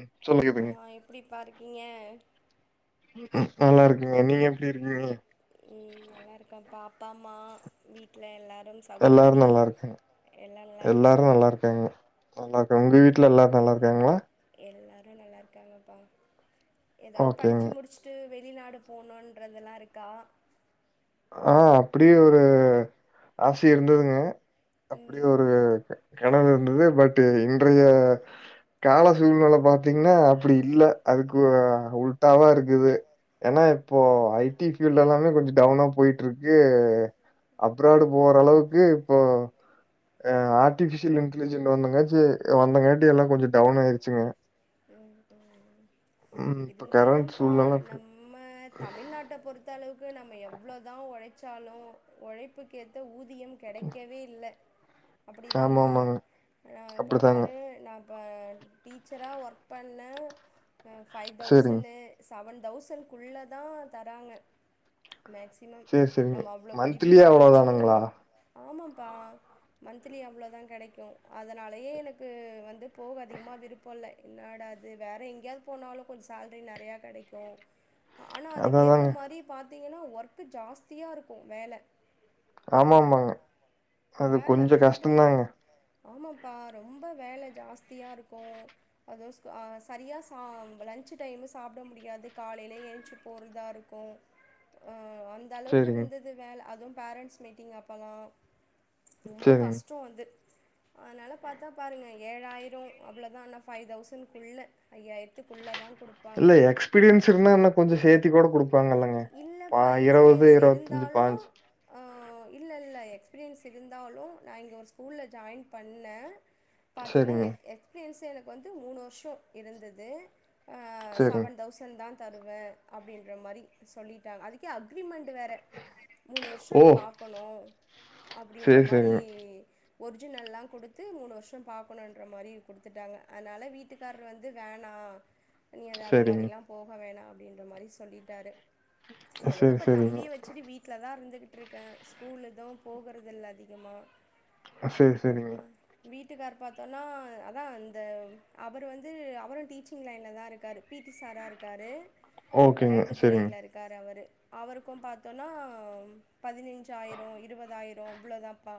ம் ஆ சொல்லிக்குதுங்க எப்படிப்பா இருக்கீங்க நல்லாருக்கேங்க நீங்க எப்டி இருக்கீங்க ம் நல்லாருக்கம்ப்பா அப்பா அம்மா வீட்ல எல்லாரு எல்லாரு நல்லாருக்காங்க எல்லாரு இருக்காங்களா நல்லாருக்காங்க நல்லாருக்கோ உங்க வீட்டுல எல்லாரு நல்லா இருக்காங்களா எல்லாரு நல்லா இருக்காங்கப்பா எதாவது ஓகேங்க படிச்சு முடிச்சு அடுத்து வெளிநாடு போணுன்றதெல்லா இருக்கா ஆ அப்டியு ஒரு ஆச இருந்ததுங்க அப்டியு ம் ஒரு கனவு இருந்தது பட் இன்றைய கால சூழ்நில பாத்தீங்கன்னா அப்டி இல்ல அதுக்கு உல்ட்டாவா இருக்குது ஏன்னா இப்போ ம் ஐ டி பீல்டு எல்லாமே கொஞ்சோ டவுனா போயிட்டுருக்கு அப்ராடு போற அளவுக்கு இப்போ ஆ ஆர்டிபீஷியல் இன்டெலிஜென்ட் வந்தங்காச்சி வந்தங்காட்டி எல்லா கொஞ்சோ டவுன் ஆயிருச்சுங்க ம் ம் ம் இப்ப கரண்ட் இருந்தாலும்ப்பா சூழ்நில அப்டி நம்ம தமிழ்நாட்ட பொறுத் தளவுக்கு நம்ம எவ்வளோ தா ஒழைச்சாலு ஒழைப்புக்க ஏத்த ஊதியோ கெடைக்கவே இல்ல அப்டிதான ஆமா ஆமாங்க ஆ இப்ப அப்டிதாங்க. பாரு நா இப்ப டீச்சரா ஒர்க் பண்ணே அ ஃபைவ் சரிங்க. தௌசணு சவன் தௌசண்க்குள்ள தா தராங்க மேக்ஸி மம் சரி சரிங்க. நம்ம அவ்ளோ படிப்பு மந்த்லியே படிச்சு அவ்ளோதானுங்களா? ஆமாப்பா மந்த்லி அவ்ளோ தா கெடைக்கு அதனாலயே எனக்கு வந்து போக அதிகமா விருப்போ இல்ல என்னாடா இது வேற எங்கேயாவது போனாலு கொஞ்சோ சேல்ரி நெறைய கெடைக்கு ஆனா அதா அதுக்கு ஏத்த அதாங்க. மாரி பாத்தீங்கன்னா ஒர்க் ஜாஸ்தியா இருக்கு வேல ஆமா ஆமாங்க வேலை கொஞ்சோ ரொம்ப கஷ்டந்தாங்க ஆமாப்பா ரொம்ப வேல ஜாஸ்தியா இருக்கு அது சரியா சா லஞ்ச் டைமு சாப்ட முடியாது காலைலே எஞ்சு போறதா இருக் க்கு ஆ அந்த அளவுக்கு சரிங்க, இருந்தது வேல அதுவும் பேரண்ட்ஸ் மீட்டிங் அப்பல்லா ரொம்ப சரிங்க. கஷ்டம் வந்து அதனால பாத்தா பாருங்க ஏழாயிரம் அவ்வளோதா ஆனா ஃபைவ் தௌவ்சன்க்குள்ள ஐயாயிரத்துக்குள்ள தா குடு இல்ல எக்ஸ்பீரியன்ஸ் இருந்தா இன்னும் கொஞ்சோ சேர்த்தி கூட குடு பாங்கல்லங்க பா இல்லைப்பா இருவது எக்ஸ்பீரியன்ஸ் இருவத்தஞ்சு பாஞ்சு இல்ல இல்ல எக்ஸ்பீரியன்ஸ் இருந்தாலும் நா இங்க ஒரு ஸ்கூல்ல ஜாயின் பண்ண பாத்தீங்கன்னா சரிங்க, எக் எக்ஸ்பீரியன்ஸ எனக்கு வந்து மூணு வருஷம் இருந்தது ஆ சரிங்க. செவன் தௌசண்ட் தா தருவ அப்டின்றமாரி சொல்லிட்டாங்க அதுக்கே அக்ரிமெண்ட்‌ வேற மூணு வருஷம் ஓ! நீ பாக்கணும் அப்டின்ற சரி மாரி சரிங்க, ஒரிஜினல்லாம் குடுத்து மூணு வருஷம் பாக்கணும்ன்ற மாரி குடுத்துட்டாங்க அதனால வீட்டுக் க்கார் வந்து வேணாம் நீ அது அந்த சரிங்க. மாரில்லாம் போக வேணாம் அப்டின்ற மாரி சொல்லிட்டாரு அதோட சரி இப்ப சரிங்க, தம்பிய வச்சுட்டு வீட் வீட்ல தா இருந்துகிட்டு இருக்க ஸ்கூல் எதுவும் போகுறது இல்ல அதிகமா அ செரி செரிங்க அ மேடம் வீட்டுக்கார் பாத்தோன்னா அதான் இந்த அவர் வந்து அவரும் டீச்சிங் லைன்ல தா இருக்காரு பிடி சாரா இருக்காரு ஓகேங்க. வெளையாட்டு சரிங்க. துறையில இருக் க்காரு அவரு அவருக்கும் பாத்தோனா பதினஞ்சாயிரம் இருவதாயிரம் இவ்வளோதாம்ப்பா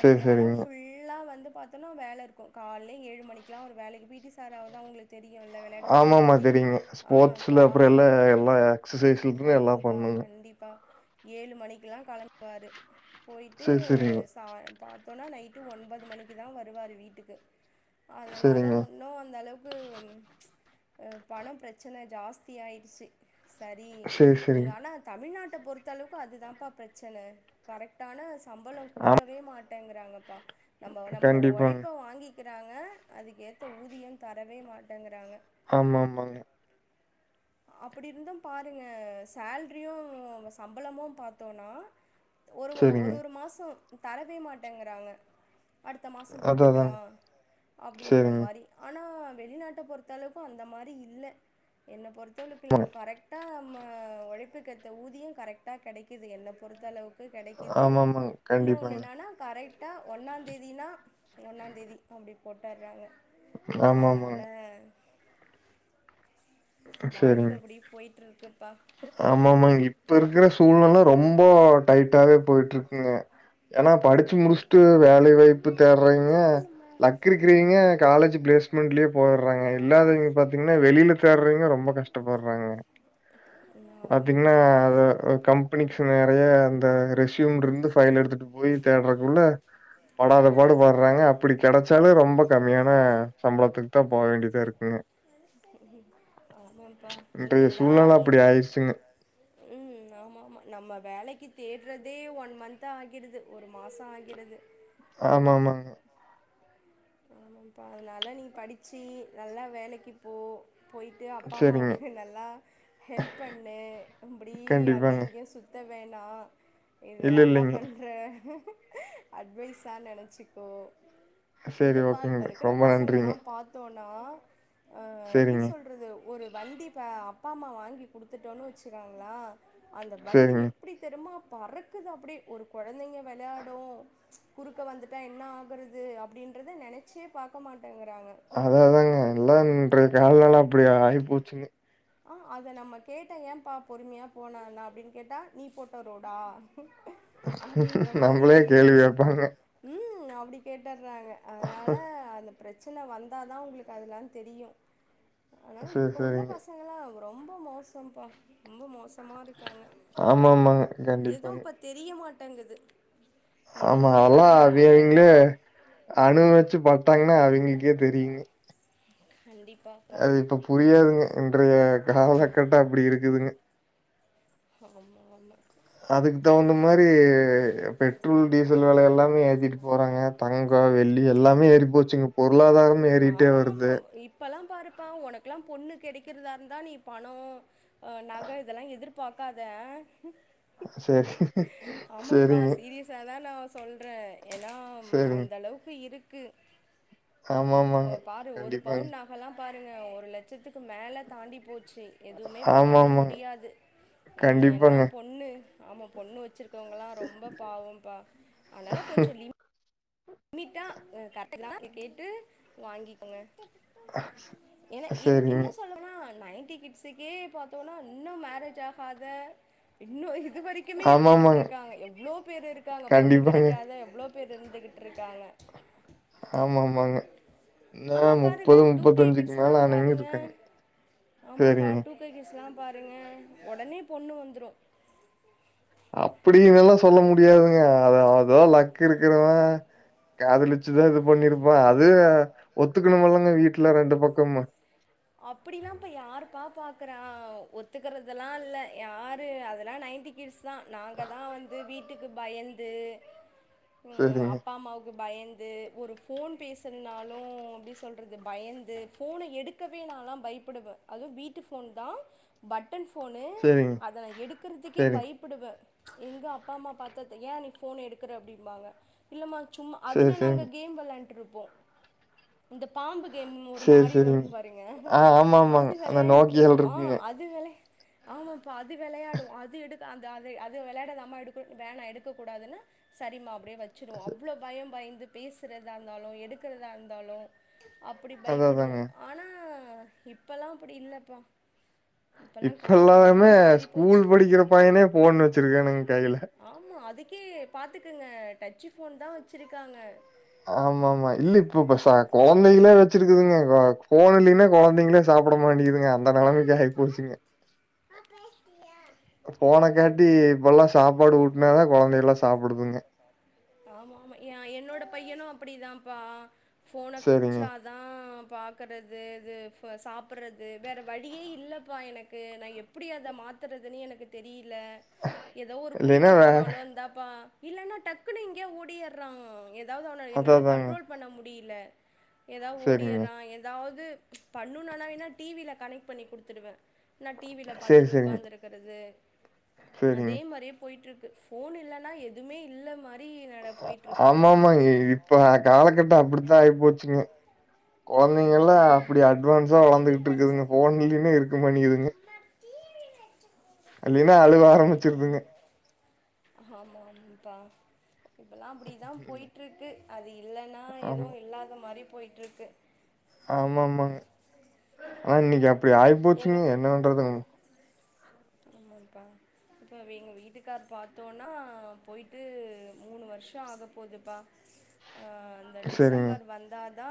சரி ஆனா சரிங்க. ஃபுல்லா வந்து பாத் தோனா வேல இருக்கும் காலையில ஏழு மணிக்கெல்லாம் ஒரு வேலைக்கு பிடி சாரா அவர்தான் உங்களுக்கு தெரியுல்ல விளையாட்டு துறைய பத்தி ஆ கா ஆ எல்லா எக்சசைஸ் ஆமாங்பா கண்டிப்பா ஏழு மணிக்கெல்லா கெளம்புவாரு போயிட்டு சரி சரிங்க, சாய் பா பாத்தோனா நைட்டு ஒன்பது மணிக்கு தா வருவாரு வீட்டுக்கு அதனால சரிங்க. ஒன் இன்னும் அந்த அளவுக்கு பணம் பிரச்சனை ஜாஸ்தி ஆயிடுச்சு சரி சேரி இங்க சேரிங்க ஆனா தமிழ்நாட்ட பொறுத்தளவுக்கு அதுதாம்ப்பா பிரச்சன கரெக்ட்டான சம்பளம் ஆமா குடுக்கவே மாட்டேங்கிறாங்கப்பா நம்ம நம்மளோட கண்டிப்பாங்க உழைப்ப வாங்கி க்கிறாங்க அதுக்கேத்த ஊதியம் ‌தரவே மாட்டங்கிறாங்க ஆமா ஆமாங்க அப்படி இருந்தும் பாருங்க சேல்ரியும் சம்பளமும் பாத்தோம்ன்னா ஒரு சேரிங்க ஒரு ஒரு மாசம் தரவே மாட்டங்கிறாங்க அடுத்த மாசம் அதா அதாங்க போட்டுக்கலாம் அப்டின்ற சேரிங்க மாரி ஆனா வெளிநாட்ட பொறுத்தளவுக்கும் அந்த மாரி இல்ல என்ன பொறுத்தளவுக்கு இல்ல ஆமாங்க கரெக்ட் னா நம்ம உழைப்புக்கேத்த ஊதியம் கரெக்டா கெடைக்குது என்ன பொறுத்தளவு க்கு கெடைக்குது ஆமா ஆமாங்க இன்னொன்னு கண்டிப்பாங்க என்னன்னா கரெக்ட் ட்டா ஒன்னா தேதினா ஒன்னாந்தேதி அப்டி போட்டாதாங்க ஆமா அதனால ஆமாங்க சேரிங்க வாழ்க்க அப்டி போய்ட்டு இருக்குப்பா ஆமா ஆமா இப்ப இருக்குற சூழ்நிலை ரொம்ப டைட்டாவே போயிட்டு இருக்குங்க ஏன்னா படிச்சு முடிச்சுட்டு ஆமாம்ப்பா வேலை வாய்ப்பு தேடுறீங்க லக்கு இருக்கிறவிங்க காலேஜ் பிளேஸ்மெண்ட்லயே போடுறாங்க இல்லாதவங்க பாத்தீங்கன்னா வெளியில தேடுறவிங்க ரொம்ப கஷ்ட ட்டபடுறாங்க ம் பாத்தீங்கன்னா ஆமாம்ப்பா அது‌ ஆ கம் பனிக்ஸ் நெறைய அந்த ரெசியூம் இருந்து ஃபைல் எடுத்துட்டு போய் தேட்றக்குள்ள படாத பாடு பட்றாங்க அப்டி கெடைச்சாலு ரொம்ப கம்மியான சம்பளத்துக்குத்தா போ வேண்டியதாருக் ம் ஆமாப்பா இன்றைய இங்கல்லா சூழ்நிலை அப்படி இரு ஆயிருச்சுங்க. ம் ஆமா ஆமா நம்ம வேலைக்கு தேட்றதே ஒன் மந்த் ஆகிடுது ஒரு மாசோ ஆகிடுது ஆமா ஆமாங்க ஆமாம்ப்பா அதனால நீ படிச்சி நல்லா வேலைக்கி போ போய் ட்டு அப்பா சரிங்க. அம்மாவுக்கு நல்லா ஹெல்ப் பண்ணு அப்டி அங்க கண்டிப்பாங்க. இங்கியு சுத் த வேணா இது இல்ல, அக்கா இல்லைங்க. பண்ற அட்வைஸா நெனச்சிக்கோ சரி இல்லப்பா இப்ப ஓகேங்க. இருக்கற ரொம்ப நன்றிங்க. பசங்கல்லா பாத்தோன்னா ஆ எப்டி சரிங்க, சொல்றது ஒரு வண்டி இப்ப அப்பா அம்மா வாங்கி குடுத்துட்டோன்னு வச்சுக்கோங்களா அந்த வண்டி சரிங்க. எப்டி தெரியுமா பறக்குது அப்டியே ஒரு கொழந்தைங்க வெளையாடு குறுக்க வந்துட்டா என்ன ஆகுறது அப்டின்றத நெனச்சே பாக்க மாட்டேங்கிறாங்க அதா அதாங்க எல்லா இன்றைய கால நெல அப்டி ஆயிப்போச்சுங்க ஆ அத நம்ம கேட்டா ஏப்பா பொறுமையா போனா என்ன அப்டின்னு கேட்டா நீ போட்ட ரோடா அப்டின்ற மாரி நம்மளே கேள்வி கேட்பாங்க. ம் அப்டி கேட்டுர்றாங்க அதனால அந்த பிரச்சன வந்தா தா உங்களுக்கு அதுலா தெரியு அனால சரி, இப்ப உள்ள சரிங்க. பச ங்கல்லா ரொம்ப மோசோம்ப்பா ரொம்ப மோ சமா இருக்காங்க ஆமாமாங்க. எதுவு கண்டிப்பாங்க. இப்ப தெரிய மாட்டேங்குது ஆமா எதுவுமே அதெல்லா தெரிய அவி அவிங்களே மாட்டேங்குது அனுபவிச்சு பாத்தாங்கன்னா அவிங்களுக்கே தெரியுங்க கண்டிப்பா அது இப்ப புரியாதுங்க இன்றைய காலக்கட்டோ அப்டி இருக்குதுங்க ஆமா ஆமா அதுக்கு தகுந்த மாரி பெட்ரோல் டீசல் வெல எல்லாமே ஏத்திட்டு போறாங்க தங்கோ வெள்ளி எல்லாமே ஏறி போச்சுங்க பொருளாதாரமே ஏறிட்டே வருது இப்பல்லா பாருப்பா ஒனக்குலா பொண்ணு கெடைக்கிறதா இருந்தா நீ பணோ ஆ நக இதெல்லா எதிர் பாக்காத ஆ சரி. ஆமாம்ப்பா சரிங்க. சீரியஸ் ஸா தா நா சொல்ற ஏன்னா சரிங்க. அந்தளவுக்கு இருக்கு மொ ஆமாமாங்க. பாரு ஒரு கண்டிப்பாங்க. பவுன் ந கல்லா பாருங்க ஒரு லட்சத்துக்கு மேல தாண்டி போச்சி எதுவுமே இப்போ பண்ண ஆமாமாங்க. முடியாது ம் ஏன்னா கண்டிப்பாங்க. பொண்ணு ஆமா பொண்ணு வச்சிருக்கவங்கல்லா ரொம்ப பாவோம்ப்பா அனால கொஞ்சோ லி மிட்டா [inaudible] கேட்டு வாங்கிக்கோங்க ஏனா இன் சரிங்க. இன்னு சொல்ல போனா நைன்ட்டி கிட்ஸுக்கே பாத்தோன்னா இன்னு மேரேஜ் ஆகாத இன்னு இதுவரைக் குமே இருந்துக்கிட்டு ஆமாமாங்க. இருக்காங்க எவ்ளோ பேரு இருக்காங்க பொண்ணு கண்டிப்பாங்க. கெடைக்காத எவ்ளோ பேர் இருந்துக்கிட் இருக்காங்க ஆமாமாங்க இன்னு ஆனா பாருங்க முப்பது டூ முப்பத்தஞ்சுக்கு மேல ஆனவங்க இருக்காங்க ஆமாம்ப்பா சரிங்க. டூ கே கிட்ஸ்லா பாருங்க ஒடனே பொண்ணு வந்துரு அப்டின்னுல்லா சொல்ல முடியாதுங்க அது அதுவா லக்கு இருக்குறவ காதலிச்சுதா இது பண்ணிருப்பா அது ஒத்துக்கணும்ல்லங்க வீட்ல ரெண்டு பக்கமு அப்டில்லா இப்ப யாருப்பா பாக்குறா ஒத்துக்கறதல்லா இல்ல யாரு அதெல்லா நைன்ட்டி கிட்ஸ் தா நாங்க தா வந்து வீட்டுக்கு பயந்து ம் சரிங்க, அப்பா அம்மாவுக்கு பயந்து ஒரு ஃபோன் பேசறனாலு எப்டி சொல்றது பயந்து ஃபோன எடு க்கவே நாலா பயப்படுவ அதுவு வீட்டு ஃபோன் தா பட்டன் ஃபோனு சரிங்க, அத நா எடுக்கறதுக்கே சரிங்க. பய்ப் புடுவ எங்க அப்பா அம்மா பாத்தா த ஏ நீ ஃபோன் எடுக்கற அப்டிம்பாங்க இல்ம்மா சும்மா சரி, அதுல நாங்க சரிங்க. கேம் வெளாண்ட்ருப்போ இந்த பாம்பு கேம் ஒரு சரி, மாரி சரிங்க. வரும் பாருங்க ஆ ஆமாமாங்க. அது அந்த விளயாண்ட்டு இருப்போ அ இருக்குங்க. அது விளய ஆமாப்ப அது விளையாடும் அது எடுக்க அந்த அத அது விளையாடாத அம்மா எடுக்க வேண எடுக்க கூடாதுன்னு சரிமா அப்படியே வச்சுருவோ ச அவ்வளோ பயம் பயந்து பேசுறதா இருந்தாலு எடுக்கிறதா இருந்தாலு அப்படி அதான் பயப்படுவோ அதாங்க. ஆனா இப்பல்லாம் அப்டி இல்லப்பா இப்பெல்லாம் இப்ப காலம் ரொம்ப எல்லாமே மாறி ஸ்கூல் போச்சு படிக்கிற பையனே போன்னு வச்சிருக்கானுங்க கையில ஆமாம் அதுக்கே பாத்துக்குங்க டச்சு ஃபோன் தா வச்சுருக்காங்க ஆமா ஆமா இல்ல இப்ப இப்ப கெழந்தைகளே வச்சிருக்குதுங்க போன்யிலோன்னா கெழந்தைங்களே சாப்பிட மாட்டேகுதுங்க அந்த நிலைமைக்கு ஆகி போச்சுங்க போன காட்டி இப்ப எல்லாம் சாப்பாடு ஊட்டுனாதா கெழந்தை எல்லா சாப்பிடுதுங்க ஆமா ஆமா என்னோட பையனு அப்படிதாம்ப்பா போனை சரிங்க. காமுச்ச தா பாக்கறிது இது சாப்பிடறது வேற வழியே இல்லப்பா எனக்கு நா எப் டி அத மாத்துறதுன்னு எனக்கு தெரியல ஏதோ ஒரு குளிக்க இல்லைன்னா வேற போனாலு இந்தாப்பா இல்லன்னா டக்குனு இங்கயே ஓடிடுயறா எத எதாவது அவன அதான் என்னால் அதாங்க. கண்ட்ரோல் பண்ண முடியல ஏதோ சரிங்க. ஒடியரா ஏதாவது பண்ணு நன்னாவேன டி வியில கனெக்ட் பண்ணி குடுத்துடுவே ந டி வில சரி, பார்த்துட்டு சரிங்க. உட்காந்துரு க்கிறது சரிங்க. அதே மாரியே போயிட்டு இருக்கு போன் இல்லன்னா எதுவுமே இல்ல மாரி நட போயிட்ருக்குப்பா ஆமாமா இப்ப காலகட்டம் அப்டித்தா ஆகிப்போச்சுங்க கெழந்தைங்க எல்லா ஆமா அப்டி அட்வான்ஸா வளர்ந்துகிட்டு இருக்குதுங்க போன் இல்லன்ன இருக்க மடேங்குதுங்க இல்லைன்னா அழுவ ஆரம்பிச்சிருதுங்க ஆமாம் அப்ப இப்போல்லா அப்டி தா ம். போய்ட்டுருக்கு அது இல்லன்னா எதுவு ஆமா. இல்லாத மாரி போய்யிட்டுருக்கு ஆமா ஆமாங்க ஆனா இன்னைக்கு அப்டி எங்க ஆயிப்போச்சுங்க என்ன பன்றதுங்க ஆமாம் பா இப்ப எங்க வீட்டுக்கார் பார்த்தோனா போயிட்டு மூணு வருஷம் ஆக போகுதுப்பா ஆ இந்த சரிங்க, டிசம்பர் வந்த தா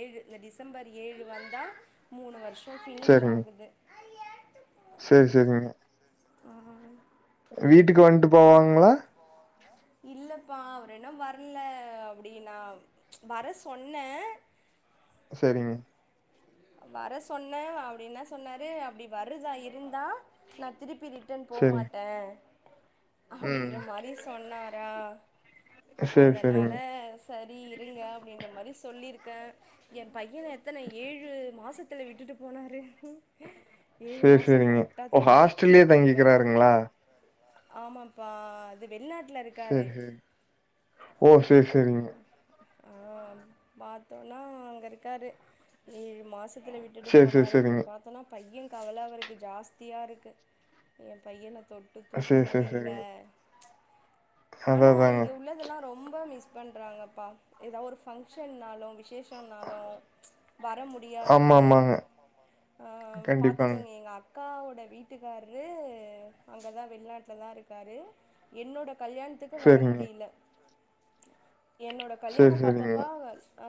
ஏழு இந்த டிசம்பர் ஏழு வந்தா மூணு வருஷம் ஃபினிஷ் ஆகுது சேரி சேரிங்க ஆ வீட்டுக்கு வந்ட்டு போவாங்களா இல்லப்பா அவர் இன்ன வரல அப்டினா நா வர சொன்ன சேரிங்க வர சொன்ன அப்டின் என்ன சொன்னாரு அப்டி வருதா இருந்தா நா திருப்பி ரி ட்டன் போ சரிங்க. மாட்ட ம். அப்டின்ற மாரி சொன்னாரா சரி, அதனால சரிங்க. சரி இருங்க அப்டின்ற மாரி சொல்லிருக்க எ பையன எத்தன ஏழு மாசத்துல விட்டுட்டு போனாரு ஏலு சரி, மாசம் சரிங்க. கரெக்டா ஓ! தம்பி ஹாஸ்டல்லயே இப்போ தங்கிக்கிறாருங்களா? ஆமாப்பா அது வெளிநாட்டுல இருக் சேரி சேரி ஓ சேரி சேரிங்க ஆ பாத்தோனா அங்க இருக்காது ஏழு மாசத் திலா விட்டுட்டு சரி, சரி, போனாரு இப்ப சரிங்க. பாத்தோனா பைய கவல அவருக்கு ஜாஸ்தியா இருக்கு எ பையன தொட் சேர் சேர் சேரிங்க அதா ஆனா அதாங்க இங்க உள்ளதெல்லா ரொம்ப மிஸ் பண்றாங்கப்பா ஏதா ஒரு ஃபங்க்ஷன்னாலு விசேஷ் டனாலு வர ஆமா முடியாது ஆமாங்க ஆ கண்டிப்பாங்க பாத்துக்கோங்க எங்க அக் காவோட வீட்டுக்கார்ரு அங்கதா வெளிநாட் லதா இருக்காரு என்னோட கல்யாண்த்துக்கு வர சேரிங்க முடியில என்னோட சேரி கல்யாணோ சேரிங்க பாத்தப்பா ஆ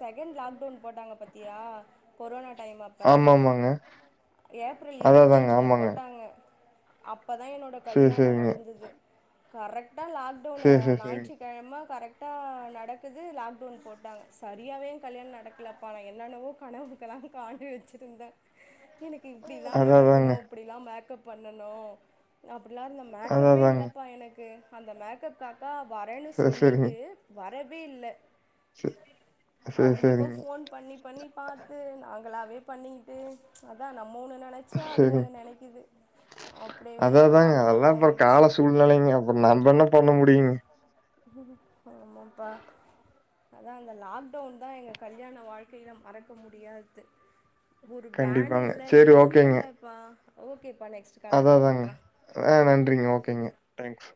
செகண் லாக்டவுன் போட்டாங்க பாத்தியா கொரோனா டைம் அப்ப ஆமா ஆமாங்க ஏப்ரல் அதா இருவத்தி அதாங்க அஞ்சில ஆமாங்க போட்டாங்க அப்பதா என்னோட சேரி கல்யாணோ சேரிங்க நடந்தது கரெக்டா லாக்டவுன் சேரி சேரி சேரிங்க ஞாயிற்று கெழம கரெக்டா நடக்குது லாக்டவுன் போட்டாங்க சரியாவே எ கல்யாண் நடக் கலப்பா நா என்னென்னவோ கனவுக்லா காண்டு வச்சிருந்த எனக்கு இப்டிதா அதா நடக்கனு அதாங்க இப்டிதா மேக்கப் பண்ணணு அப்டிலா இல்ல அதா மேக்கப்பே அதாங்க இல்லப்பா எனக்கு அந்த மேக்கப் அக்கா வரேன்னு சேரி சேரிங்க சொல்லிட்டு வரவே இல்ல சே சேரி அவுங்களுக்கோ சேரிங்க ஃபோன் பண்ணி பண்ணி பாத்து நாங்களாவே பண்ணிக்கிட்டு அதா நம்ம ஒண்ணு நெனச்சா அது சேரிங்க ஒண்ணு நெனைக்குது அப்டியவே ப்பதாங்க அதெல்லா அப்புற கால சூழ்நிலைங்க அப்புற நாம்ப என்ன பண்ண முடியு ஆமாப்பா அதா அந்த லாக்டவுன் தா எங்க கல்யாண வாழ்க்கையில மறக்க முடியாத்து ஒரு வேன் கண்டிப்பாங்க இல்ல சேரி எதுமே ஓகேங்க இல்லப்பா ஓகேப்பா நெக்ஸ்ட் அதா காலரில் அதாங்க பார்க்கலாம் ஆ நன்றிங்க ஓகேங்க தேங்க்ஸ்